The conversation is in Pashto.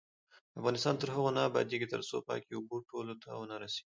افغانستان تر هغو نه ابادیږي، ترڅو پاکې اوبه ټولو ته ونه رسیږي.